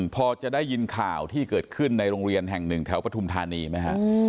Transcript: พอจะได้ยินข่าวที่เกิดขึ้นในโรงเรียนแห่งหนึ่งแถวปฐุมธานีไหมฮะ